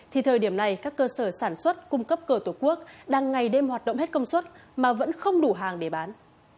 thì thời điểm này các cơ sở sản xuất cung cấp cờ tổ quốc đang ngày đêm hoạt động hết công suất mà vẫn không đủ hàng để bán